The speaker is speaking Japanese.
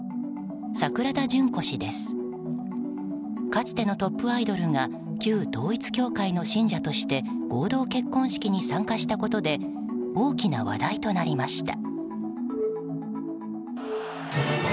かつてのトップアイドルが旧統一教会の信者として合同結婚式に参加したことで大きな話題となりました。